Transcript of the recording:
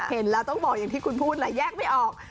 เห็นแล้วต้องบอกอย่างที่คุณพูดแหละแยกไม่ออก